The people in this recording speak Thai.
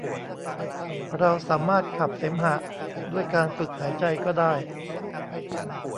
เราสามารถขับเสมหะด้วยการฝึกหายใจก็ได้